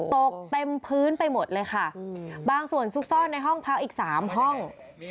ตกเต็มพื้นไปหมดเลยค่ะบางส่วนซุกซ่อนในห้องพักอีก๓ห้อง